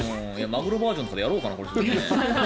マグロバージョンとかやろうかな。